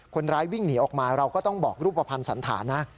คนร้ายวิ่งหนีออกมาเราก็ต้องบอกรูปภัณฑ์สันฐานนะ